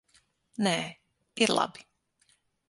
Nē, ir labi.